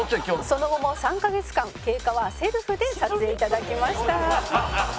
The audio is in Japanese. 「その後も３カ月間経過はセルフで撮影頂きました」